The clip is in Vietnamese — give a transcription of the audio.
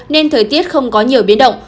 nên thời tiết không có nhiều biến động